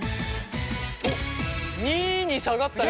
２に下がったよ。